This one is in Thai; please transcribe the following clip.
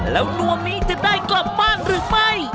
แล้วนวมนี้จะได้กลับบ้านหรือไม่